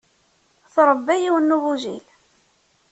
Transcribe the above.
Tṛebba yiwen n ugujil.